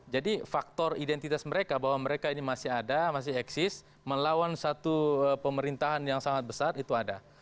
jadi faktor identitas mereka bahwa mereka ini masih ada masih eksis melawan satu pemerintahan yang sangat besar itu ada